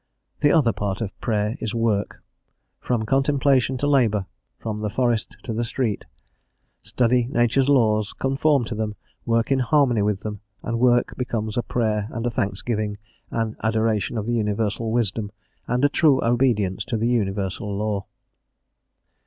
The other part of prayer is work: from contemplation to labour, from the forest to the street. Study Nature's laws, conform to them, work in harmony with them, and work becomes a prayer and a thanksgiving, an adoration of the universal wisdom, and a true obedience to the universal law.